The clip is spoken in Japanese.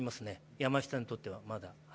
山下にとってはまだ。